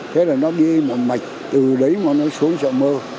thế là nó đi một mạch từ đấy mà nó xuống giọng mơ